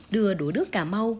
đưa đũa đứa cà mau